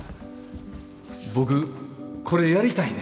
僕これやりたいねん。